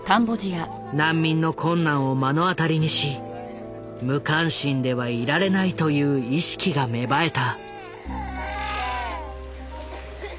難民の困難を目の当たりにし無関心ではいられないという意識が芽生えた。